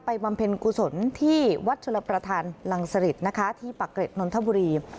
บำเพ็ญกุศลที่วัดชลประธานรังสริตนะคะที่ปะเกร็ดนนทบุรี